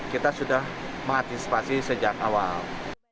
kita sudah mengantisipasi sejak awal